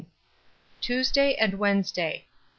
Tuesday and Wednesday.